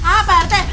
apa pak rete